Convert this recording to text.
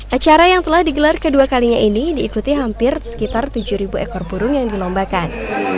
acara yang telah digelar kedua kalinya ini diikuti hampir sekitar tujuh ekor burung yang dilombakan